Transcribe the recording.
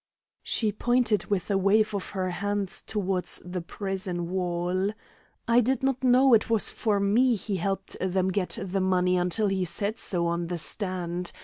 She pointed with a wave of her hand towards the prison wall. "I did not know it was for me he helped them get the money until he said so on the stand.